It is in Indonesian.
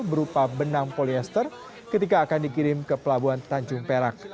berupa benang polyester ketika akan dikirim ke pelabuhan tanjung perak